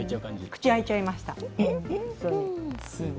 口が開いちゃいました。